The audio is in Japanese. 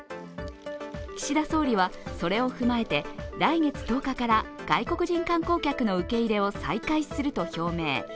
岸田総理は、それを踏まえて来月１０日から外国人観光客の受け入れを再開すると表明。